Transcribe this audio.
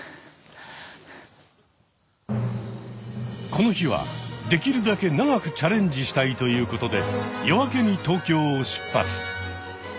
この日はできるだけ長くチャレンジしたいということで夜明けに東京を出発。